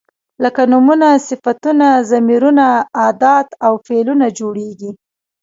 لکه نومونه، صفتونه، ضمیرونه، ادات او فعلونه جوړیږي.